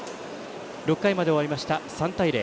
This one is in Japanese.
６回まで終わりました、３対０。